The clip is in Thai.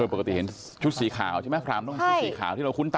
ปกติเห็นชุดสีขาวใช่ไหมพรามต้องเป็นชุดสีขาวที่เราคุ้นตา